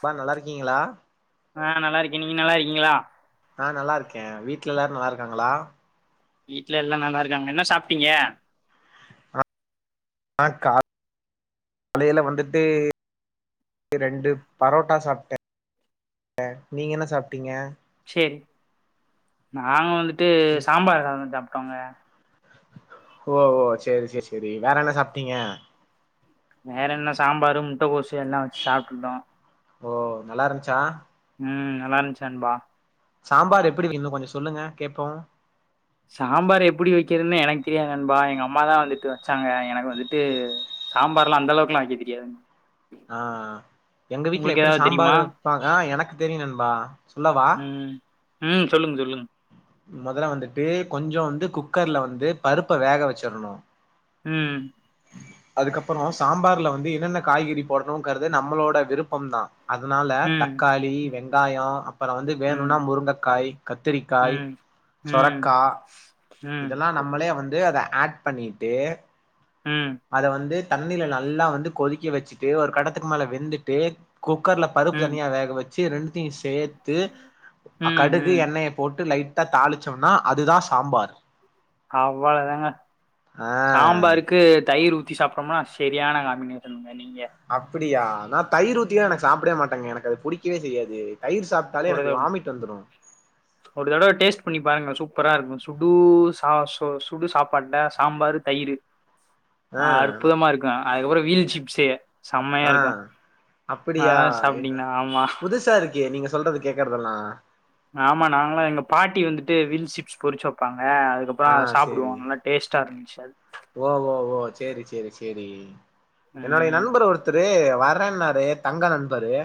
ப்பா நல்லா இருக்கீங்களா ஆ நல்லா இருக்கே நீங்க நல்லா இருக்கீங்களா ஆ நல்லா இருக்கேன் வீட்ல எல்லாரும் நல்லா இருக்காங்களா வீட்ல எல்லா நல்லா இருக்காங்க என்ன சாப்ட்டீங்க ஆட் கா காலையில வந்துட்டு ரெண்டு பரோட்டா சாப்டே நீங்க என்ன சாப்பிட்டீங்க நாங்க வந்து ட்டு சாம்பார் சாதம் சாப் க்காங்க ஓ ஓ சேரி சேர் சேரி வேற என்ன சாப்டீங்க? வேற என்ன சாம்பாரு முட்டக்கோசு எல்லா வச்சு சாப்டுட்டோ ஓ நல்லாருன்ச்சா? ம் நல்லா இருன்ச் நண்பா சாம்பார் எப்டி வக்கெனு கொஞ்சொ சொல்லுங்க கேப்போ சாம்பார் எப்புடி வக்கிறன்னு எனக் தெரியாது நண்பா எங்க அம்மாதா வந்துட்டு வச்சாங்க எனக்கு வந்துட்டு சாம்பார்லா அந்த அளவுக்லா வக்க தெரியாது நண்பா ஆ எங்க வீட்ல எப்டி தெரியுமா சாம்பார் வப்பா ஆ எனக்கு தெரியு நண்பா சொல்லவா? ம் ம் சொல்லுங் சொல்லுங்க மொதல்ல வந்துட்டு கொஞ்ச வந்து குக்கர்ல வந்து பருப்ப வேக வச்சர்னு ம் அதுக்கப்புறோ சாம்பார்ல வந்து எ ன்னென்ன காய்கறி போடனுங்கிறது நம்மளோட விருப்பம் தா அதுனால ம் தக்காளி வெ ங்காயோ அ ப்பறொ வந்து வேணுன்னா ம் முருங்கக்காய், கத்திரிக்காய், ம் ம் ம் சொரக்கா ம் இதெல்லா நம்மளே வந்து அத ஆட் பண்ணிட்டு ம் அத வந்து தண்ணில நல்லா வந்து கொதிக்க வச்சுட்டு ஒரு கடத்துக்கு மேல வெந்துட்டு குக்கர்ல பருப்பு ம் தனியா வேக வ ச்சு ரெண்டுத்தயு சேத்து ம் கடுகு ம். எண்ணெய போட்டு லைட் டா தாளிச்சோன்னா அதுதா சாம்பார் அவ்வள தாங்க ஆ சாம்பாருக்கு தயிர் ஊ த்தி சாப்டொம்னா செரியான காம்பினேஷன்ங் அப்பிடியா நா தயிர் ஊத்திலா நா சாப்புடவே மாட்டேங்க எனக் கு அது புடிக்கவே செய்யாது தயிர் சாப்ட்டாலே ஒரு எனக்கு வாமிட் வந்துரு ஒரு தடவ டேஸ்ட் பண்ணி பாருங்க சூப் பரா இருக்கு சுடு சா சு சுடு சாப்பாட்ல சாம்பாரு தயிரு ஆ அற்புதமா இருக்கு அதுக்கபுற வீல் சிப்ஸு செம்மையா ஆ இருக்கு அப்படியா அதெல்லா என்ன சாப்ட்டீங்கன்னா ஆமா புதுசா இருக்கே நீங்க சொல்றது கேக்கறதெல்லாம் ஆமா நாங்களாம் எங்க பாட்டி வந்துட்டு வீல் சிப்ஸ் பொரிச்சு வைப்பாங்க அ ஆ அதுக்கப்புறம் சேரி சாப்பிடுவோம் நல்ல டேஸ்ட்டா இருந்துச்சு அது ஓ ஓ ஓ செரி செரி செரி என்னுடைய ம் நண்பர் ஒருத்தரு வர்றேன்னாரு தங்க நண்பரு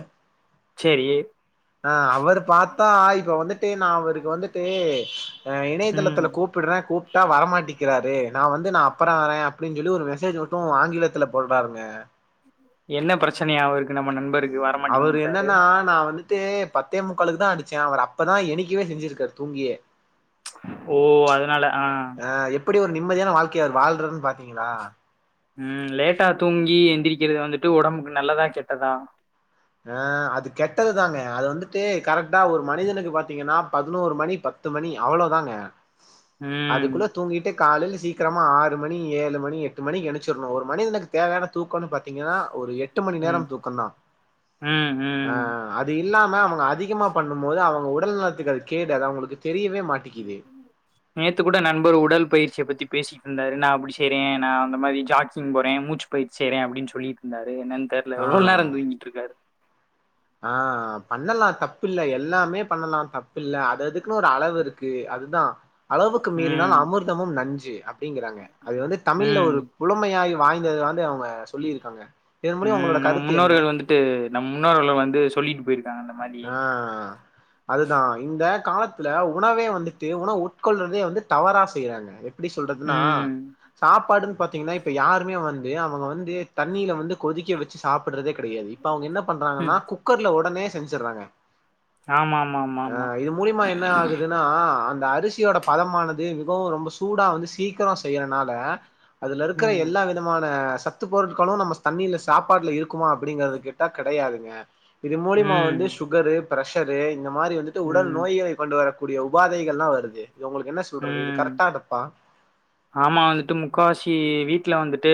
சேரி அ அவரு பார்த்தா இப்ப வந்துட்டு நான் அவருக்கு வந்துட்டு ஆ இணைய ம் தளத்துல கூப்பிடுறேன் கூப்ட்டா வரமாட்டி இருக்கிறாரு நான் வந்து நான் அப்புறம் வரேன் அப்படின்னு சொல்லி ஒரு மெசேஜ் மட்டும் ஆங்கிலத்துல போட்றாருங்க என்ன பிரச்சனையா இருக்கு நம்ம நண்பருக் அவரு என்னன்னா நான் வந் து பத்தே முக்காலுக்கு தான் அடிச்சேன் அவர் அப்பதான் ஏந்திக்கவேசெஞ்சிருக்காரு தூங்கியே ஓ அதனால ஆ அப்படி ஒரு நிம்மதியான வாழ்க்கைய அவர் வாழ்றாருன்னு பாத்தீங்களா ம் லேட்டா தூங்கி எந்திரிக்கிறது வந்துட்டு உடம்புக்கு நல்லதா கெட்டதா அ அது கெட்டதுதாங்க அது வந்துட்டு கரெக்ட்டா ஒரு மனிதனுக்கு பாத்தீங்கன்னா பதினோரு மணி பத்து மணி அவ்வளவுதாங்க ம் அதுக்குள்ள தூங்கிட்டே காலையில சீக்கிரமா ஆறு மணி ஏழு மணி எட்டு மணிக்கு எந்திச்சுரனும் ஒரு மனிதனுக்கு தேவையான தூக்கம்ன்னு பாத்தீங்கன்னா ஒரு எட் டு மணி ம் நேரம் தூக்கம் தான் ம் ஆ ம் அது இல்லாம அவுங்க அதிகமா பண்ணும் போது அவுங்க உடல் நலத்துக்கு அது கேடு அது அவுங்களுக்கு தெரி நேத்து கூட நண்பர் உடல் பயிற்சிய பத் பேசிட்டு இருந்தரு நான் அப்படி செய்றேன் நான் அந்த மாதிரி ஜாக்கிங் போறேன் மூச்சு பயிற்சி செய்றேன் அப்படின்னு சொல்லிட்டு இருந்தாரு என்னன்னு தெரியல எவ்வளோ நேரம் ஆ. தூங்கிட்டு இருக்காரு ஆ பண்ணலாம் தப்பில்ல எல்லாமே பண்ணலாம் தப்பில்ல அத அதுக்குன்னு ஒரு அளவு இருக்கு அதுதான் அளவுக்கு ம் மீறினால் அமிர்தமும் நஞ்சு அப்படிங்கிறாங்க அது வந்து தமிழ்ல ம் ஒரு புலமையாய வாய்ந்தது வந்து அவுங்க சொல்லியிருக்காங்க இதன் மூலியம் உம் உங்களோட நம்ம கருத்து என்ன? முன்னோர்கள் வந்துட்டு நம் முன்னோர்கள் வந்து சொல்லின் போய் ஆஹ் அதுதான் இந்த காலத்து இந்த உணவே வந்துட்டு உணவு உட்கொள்றதே வந்து தவறா செய்யறாங்கப்ப எப்படி சொல்றதுன்னா ம் சாப்ட்டு பாத்தீங்கன்னா இப்ப யாருமே வந்து அவங்க வந்து தண்ணியில வந்து கொதிக்க வச்சு சாப்பிட்டு றதே கிடையாது இப்ப அவங்க என்ன பண்றாங்கன்னா ம் குக்கர்ல உடனே வச்சர்றாங்க ஆமா ஆமா ஆமா ஆமா அஹ் இது மூலியமா என்ன ஆகுதுன்னா அந்த அந்த அரிசியோட பதமானது மிகவும் ரொம்ப சூடா வந்து சீக்கிரம் செய்யறனால அதுல இருக்கிற ம் எல்லா விதமான சத்து பொருட்க்களும் நம்ம தண்ணியில சாப்பாட்டுல இருக்குமா அப்படிங்கறிறது கேட்டா கிடையாதுங்க இது மூலிமா ம் வந்து ஒரே பிரஷரு இந்த மாதிரி வந்துட்டு உடல் ம் நோயை கொண்டு வர கூடிய உபாதைகள்லாம் வருது இது உங்களுக்கு என்ன சொல்றது இது ம் கரெக்டா தப்பா ஆமா வந்துட்டு முக்கால்வாசி வீட்டுல வந்துட்டு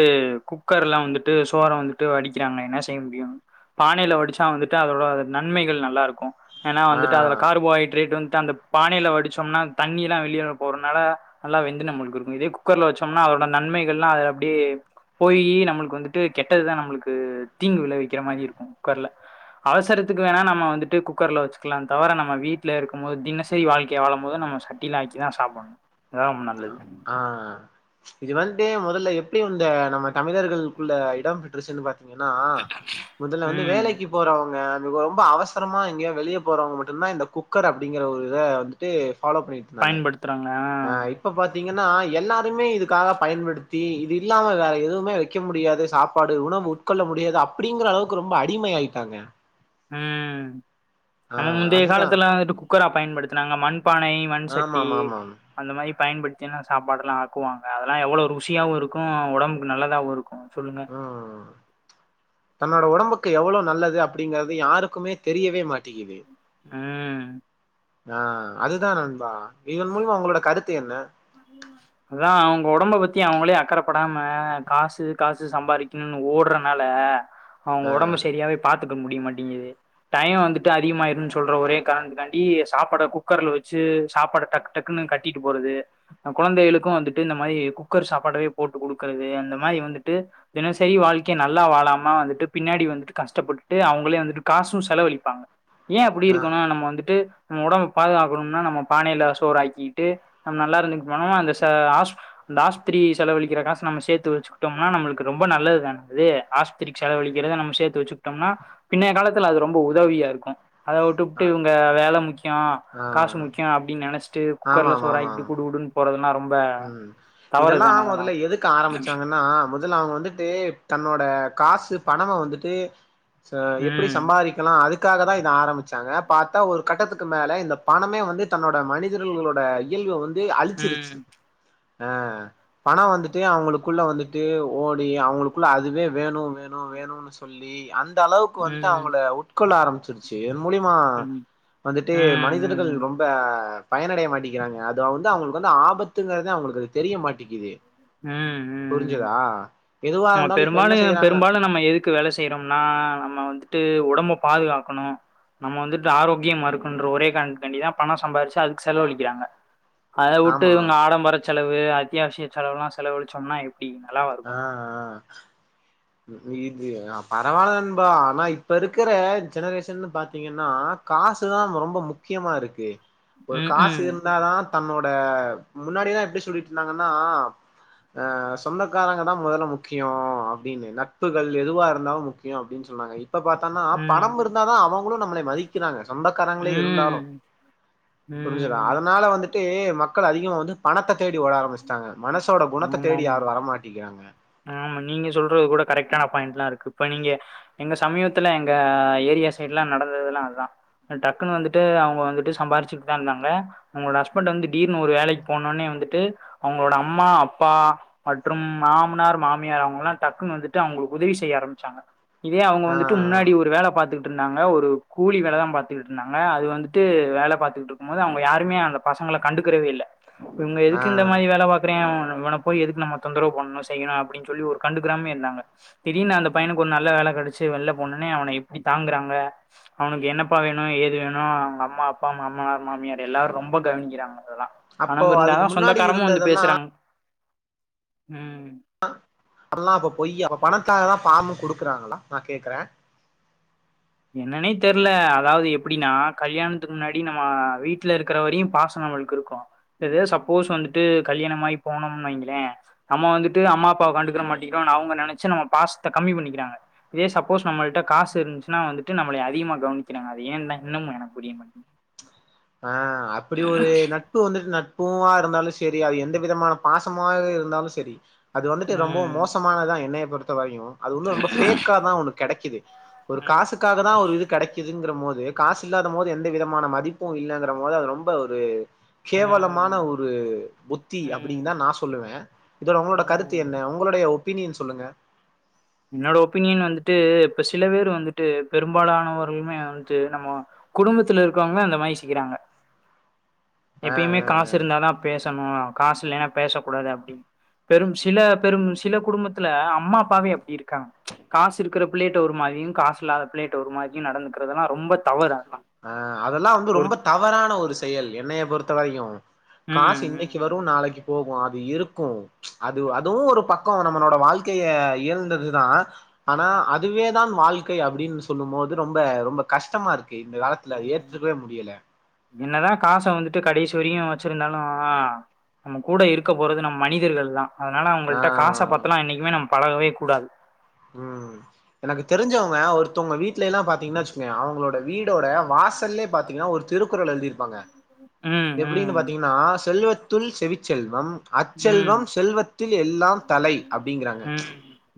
குக்கர்ல வந்துட்டு சோறை வந்துட்டு வடிக்கிறாங்க என்ன செய்ய முடியும் பானையில வடிச்சா வந்துட்டு அதோட நன்மைகள் நல்லா இருக்கும் ஏன்னா வந்துட்டு அதுல ஆஹ் கார்போஹைட்ரேட் வந்துட்டு அந்த பானையில வடிச்சோம்னா தண்ணி எல்லாம் வெளியில போறதுனால நல்லா வெந்து நம்மளுக்கு இரு இதே குக்கர்ல வச்சோம்னா அதோட நன்மைகள்லாம் அதுல அப்படியே போயி நம்மளுக்கு வந்துட்டு கெட்டதுதான் நம்மளுக்கு தீங்கு விளைவிக்கிற மாதிரி இருக்கும் குக்கர்ல அவசரத்துக்கு வேணா நம்ம வந்துட்டு குக்கர்ல வச்சுக்கலாம் தவிர நம்ம வீட்டுல இருக்கும் போது தினசரி வாழ்க்கைய வாழும் போது நம்ம சட்டியில ஆக்கி தான் சாப்பிடணும் அதான் நல்லது ஆஹ் இது வந்து முதல்ல எப்படி இந்த நம்ம தமிழர்களுக்குள்ள இடம் பெற்றுருச்சுன்னு பாத்த ன்னா முதல்ல வந்து ம் வேலைக்கு போறவங்க ரொம்ப அவசரமா எங்கேயா வெளிய போறவங்க மட்டும்தான் இந்த குக்கர் அப்படிங்கிற ஒரு இதை வந்துட்டு ஃபாலோ பண்ணிட்டு இருந்தாங்க பயன்படுத்துறாங்க ஆஹ் இப்ப பாத் பாத்தீங்கன்னா எல்லாருமே இதுக்காக பயன்படுத்தி இது இல்லாம வேற எதுவுமே வைக்க முடியாது சாப்பாடு உணவு உட்கொள்ள முடியாது அப்படிங்கிற அளவுக்கு ரொம்ப அடிமை ஆயிட்டாங்க ஹம் ஆ நம்ம முந்தைய அதுதான் காலத்துல வந்துட்டு குக்கரா பயன்படுத்தினாங்க மண்பானை மண் ஆமா சட்டி ஆமா ஆமா அந்த மாதிரி பயன்படுத்திதான் சாப்பாடுல்லாம் ஆக்குவாங்க அதெல்லாம் எவ்வளோ ருசியாகவும் இருக்கும் உடம்புக்கு நல்லதாகவும் இருக்கும் ம் தன்னோட ஒடம்புக் கு எவ்ளோ நல்லது அப்டிங்கிறது யாருக்குமே தெரியவே மாட்டிக்கிது ம் ஆ அதுதா நண்பா இதன் மூலொ உங்களோட கருத்து என்ன? அதா அவுங்க ஒடம்ப பத்தி அவுங்களே அக்கறப்படாம காசு காசு சம்பாரிக்கனுன் ஓட்றனால அவுங்க ஆ ஒடம்ப சரியாவே பாத் துக்க முடியமாட்டிங்கிது டைய வந்துட்டு அதிகமாயிருன் சொல்ற ஒரே காரணத்துக்கான்டி சாப்பாட குக்கர்ல வச்சு சாப்பாட டக்கு டக்குன்னு கட்டிட்டு போறது அ குழந்தைகளுக்கு வந்துட்டு இந்த மாரி குக்கர் சாப்பாடவே போட்டு குடுக்குறது அந்த மாரி வந்துட்டு தினசரி வாழ்க்கைய நல்லா வாழாம வந்துட்டு பின்னாடி வந்துட்டு கஷ்டப்பட்டுட்டு அவுங்களே வந்துட்டு காசு செலவழிப்பாங்க ஏ இப்புடி ஆ இருக்கனு நம்ம வந்துட்டு நம்ம ஒடம்ப பாதுகாக்கனுன்னா நம்ம பானைல சோறு ஆக்கிட்டு நம்ம நல்லா இருந்துட்டு போனா அந்த ச ஆஸ் அந்த ஆஸ்ப்த்திரி செலழிக்கிற காசு நம்ம சேத்து வச்சுக்கிட்டோம்னா நம்மளுக்கு ரொம்ப நல்லது தான அது ஆஸ்பத்திரிக்கு செலவழிக்கிறத நம்ம சேத்து வச்சுக்கிட்டோம்னா பின்னைய காலத்துல அது ரொம்ப உதவியா இருக்கு அத ஆ வுட்டுப்ட்டு இவுங்க வேல முக்யோ ஆ காசு முக்யோ அப்டின் நெனச்சுட்டு ஆமா குக்கர்ல ஆமா ஆமா சோறாக்கிட்டு குடு குடுன் போறதுலா ரொம் ம் இதெல்லா மொதல்ல எதுக்கு ஆரம்பிச்சாங்கன்னா முதல்ல அவுங்க வந்துட்டு தன்னோட காசு பணம வந்துட்டு ச எப்புடி ம் சம்பாரிக்கலா அது க்காகதா இத ஆரம்பிச்சாங்க பாத்தா ஒரு கட்டத்துக்கு மேல இந்த பணமே வந்து தன்னோட மனிதர்களோட இயல்ப வந் து அழிச்சிருச்சு ம் அ பண வந்துட்டு அவுங்களுக்குள்ள வந்துட்டு ஓடி அவுங்களுக்குள்ள அதுவே வேணு வேணு வேணுனு சொல்லி அந் த அளவுக்கு வந்துட்டு ம் அவுங்கள‌ உட்கொள்ள ஆரம் பிச்சுருச்சு மூலியமா ம் ம் வந்துட்டு ம் மனிதர்கள் ரொம்ப பயனடைய மாட்டிக்கிறாங்க அது வந்து அவுங்ளுக்கு வந்து ஆபத் துங்குறது அவுங்களுக்கு அது தெரிய மாட்டெக்கிது ம்‌ ம் எதுவா நம்ம இருந்தாலு இப்ப என்ன பெரும்பாலு செய்யறாங்க பெரும்பாலு நம்ம எதுக்கு வேல செய்றோம்னா நம்ம வந்துட்டு ஒடம்ப பாதுகாக்கனு நம்ம வந்துட்டு ஆரோக்கியமா இருக்கனுன்ற ஒரே காரணத்துக்கான்டிதா பண‌ சம்பாரிச்சு அதுக்கு செலவழிக்கிறாங்க அத வுட்டு ஆமா இவுங்க ஆடம்பரச் செலவு அத்தியாவசிய செலவுலா செலவளுச்சோம்னா எப் ஆ ஆ இது பரவால்ல நண்பா ஆனா இப்ப இருக்குற ஜெனரேஷன் பாத்தீங்கன்னா காசுதா ரொம்ப முக்கியமா இருக்கு ஒரு ம் காசு ம் இருந்தாதா தன்னோட முன்னாடிதா எப்டி சொல்லிட்டு இருந்தாங்கன்னா அ சொந்தக் சொந்தக்காரங்கதா மொதல்ல முக்கியோ அப்டின்னு நட்புகள் எதுவா இருந்தாலு முக்கியோ அப்டின் சொன்னாங்க எய் இப்ப பாத்தன்னா ம் பணம் இருந்தாதா அவங் கூட நம்மளைய மதிக்கிறாங்க சொந்தக்காரங்களே இருந்தாலு ம் புருஞ்சுதா ம் அதனால வந்துட் டு மக்கள் அதிகமா வந்து பணத்த தேடி ஓட ஆரம்பிச்சிட்டாங்க மனசோட குணத்த தேடி ஆமாமா யாரு வர மாட் ஆமா நீங்க சொல்றது கூட கரெக்டா [unintelligible] பாயிண்ட்லா இருக்கு இப்ப நீங்க எங்க சமீத்துல எங்க ஏரியா சைடு எல்லா நடந்ததெல்லா அதா டக்குனு வந்துட்டு அவங்க வந்துட்டு சம்பாருச்சுட்டுதா இருந்தாங்க அவங்களோட ஹஸ்பண்ட்டு வந்து திடீர்னு ஒரு வேலைக்கு போனோனே வந்துட்டு அவங்களோட அம்மா அப்பா மற்றும் மாமனார் மாமியார் அவங்க எல்லா டக்குன்னு வந்துட்டு அவங்களுக்கு உதவி செய்ய ஆரம்பிச்சாங்க இதே அவங்க ஆ வந்துட்டு முன்னாடி ஒரு வேல பாத்துட் ட்ருந்தாங்க ஒரு கூலி வேலதாம் பாத்துட்டு இருந்தாங்க அது வந்துட்டு வேல பாத்துகுட்ருக்கும் போது அவங்க யாருமே அந்த பசங்கள கண்டுக்கறவே இல்ல இவங்க ஆ ஆ எதுக்கு இந்த மாரி வேல பாக்குறயேன் இவன போய் எதுக்கு நம்ம தொந்தரவு பண்ணனு செய்யணு அப்டின் சொல்லி ஒரு கண்டுக்கிராமே இருந்தாங்க திடீர்னு அந்த பையனுக்கு ஒரு நல்ல வேல கெடச்சு வெள்ல போனோனே அவன எப்டி தாங்குறாங்க அவனுக்கு என்னப்பா வேணு ஏது வேணு அவங்க அம்மா அப்பா மாமனார் மாமியார் எல்லாரு ரொம்ப கவனிக்கிறாங்க அதெல்லா அப்போ பணமிருந்தாதா அதுக்கு முன்னாடி சொந்தக்காரமு வந்து இருந்ததெல்லா பேசுறாங் ம் பொய்யு அப்ப பணத்தாகதா ஃபாமு குடுக்குறாங்களா நா கேக்குற என்னன்னே தெர்ல அதாவது எப்டின்னா கல்யாணத்துக்கு முன்னாடி நம்ம வீட்ல இருக்குற வரையு பாசம் நம்மளுக்கு இருக்கு இதே சப்போஸ் வந்துட்டு கல்யாணம் ஆயி போனோம்னு வெயிங்களே நம்ம வந்துட்டு அம்மா அப்பாவ கண்டுக்கற மாட்டிங்கிறோனு அவங்க நெனச்சு நம்ம பாசத்த கம்மி பண்ணிக்கிறாங்க இதே சப்போஸ் நம்மள்ட காஸ் இருஞ்சு வந்துட்டு நம்மளைய அதிகமா கவனிக்கிறாங்க அது ஏந்தா இன்னமு எனக்கு புரிய மாட்டிங்குது அ அப்டி ஒரு நட்பு வந்துட்டு நட் பூவா இருந்தாலு சேரி அது எந்த விதமான பாசமா இருந்தாலு சேரி அது வந்துட்டு ரொம்பவு ம் மோசமானதா என்னயே பொருத்த வரையு அது வந்து ரொம்ப ஃபேக்காதா ஒன்னு கெடைக்குது ஒரு ம் காசுக்காகதா ஒரு இது கெடைக்குதுங்குறம் போது து காசு இல்லாத போது எந்த விதமான மதிப் பு இல்லங்கறம் போது அது ரொம்ப ஒரு கேவலமான ம் ஒரு புத்தி ம் அப்டின்தா நா சொல்லுவ இதோட உங்களோட கருத்து ம் என்ன உங்களுடைய ஒப் ஒப்பினியன் சொல்லுங்க என்னோட ஒப்பீனியன் வந்துட்டு இப்ப சில பேர் வந்துட்டு பெரும்பாலானவர்களுமே வந்துட்டு நம்ம குடும்பத்துல இருக்கவங்கமே அந்த மாரி செய்யிறாங்க ஆ எப்பயுமே ஆ ஆ காசு இருந்தாதா பேசனு காசு இல்லைனா பேசக்கூடாது அப்டின் பெரும் சில பெரும் சில குடும்பத்துல அம்மா அப்பாவே ப்டி இருக்காங்க காசு இருக்குற பிள்ளேட்ட ஒரு மாரியு காசு இல்லாத பிள்ளேட்ட ஒரு மாரியு நடந்துக்குறதெல்லா ரொம்ப தவறு ஆ அ அதல்லா வந்து ரொம்ப தவறான ஒரு செயல் என்னைய பொறு த்த வரையு ம் காசு ம் இன்னைக்கி வரு நாளக்கி போகு அது இருக்கு அது ம் அதுவு ஒரு பக்கொ வ நம்மளோட வாழ்க்கைய இயன்றதுதா ஆனா ம் அதுவே தான் வாழ் க்கை அப்டின்னு சொல்லும்போது ரொம்ப ரொம்ப கஷ்டமா இருக் கு இந்தக் காலத்துல ம் ஏத்துக்கவே முடியல என்னதா காச வந்துட்டு கடைசி வரையு வச்சுருந்தாலு நம்ம கூட இருக்க போறது நம்ம மனிதர்கள் தா அதுனால அவங்கள்ட காச ஆ பாத்தலா என்னைக்கிமே நம் பழகவே கூடாது ம் எனக்கு தெரிஞ்சவுங்க ஒருத்தவ்ங்க வீட்லைலா பாத்தீங்கன் வச்சுங்க அவுங்களோட வீடோட வாசல்லே பாத்தீங்கனா ஒரு திருக்குறள் எழுதிருப்பாங்க ம் எப்டின்னு ம் பாத்தீங்கனா செல்வத் துள் செவிச்செல்வம் அச்செல்வம் ம் செல்வத்தில் எல்லாம் தலை அப்டிங்கிறாங்க ம்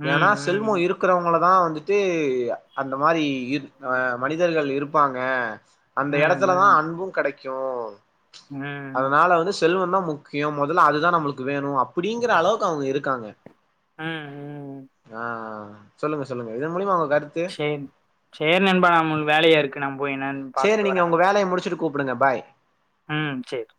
ம் ஏனா செல்வொ ம் இருக்குறவுங்கள ளா வந்துட்டு அந்த மாரி இரு ஆ மனிதர்கள் இருப்பாங்க அந்த எடத்துல தா ம் அன்பு கடை க்யு ம் செல்வொந்தா முக்கியம் மொதல்ல அதுதா நம்மளுக்கு வேணு அப்பிடிங்கிற அளவுக்கு அவுங்க இருக்காங்க அ ஆ ஆ சொல்லுங்க சொல்லுங்க இதன் மூலியமா உங்க கருத்து சே சேர் நண்பா நம்மள் வேலையா இருக்கு நம் சேரி நீங்க உங்க வேலைய முடிச்சுட்டு கூப் கூப்புடுங்க பாய் ம் சேர்